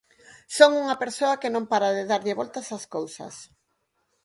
Son unha persoa que non para de darlle voltas ás cousas.